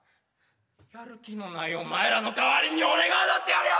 やる気のないお前らの代わりに俺が踊ってやるよ！